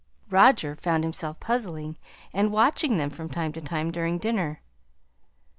Roger found himself puzzling, and watching them from time to time during dinner.